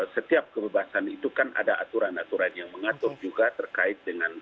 setiap kebebasan itu kan ada aturan aturan yang mengatur juga terkait dengan